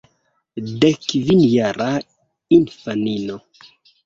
Dek kvin jara infanino!